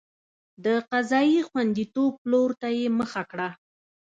د قضایي خوندیتوب پلور ته یې مخه کړه.